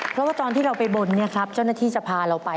เพราะว่าตอนที่เราไปบนเจ้าหน้าที่จะพาเราไป